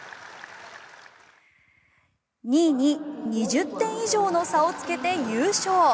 ２位に２０点以上の差をつけて優勝。